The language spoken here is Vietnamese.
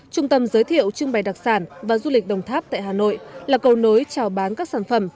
trung tâm giới thiệu trưng bày đặc sản và du lịch đồng tháp tại hà nội là cầu nối trào bán các sản phẩm